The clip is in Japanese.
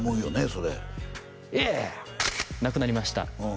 それいやいや亡くなりました